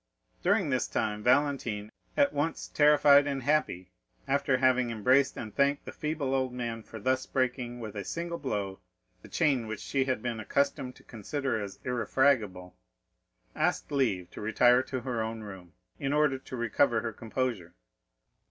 During this time Valentine, at once terrified and happy, after having embraced and thanked the feeble old man for thus breaking with a single blow the chain which she had been accustomed to consider as irrefragable, asked leave to retire to her own room, in order to recover her composure.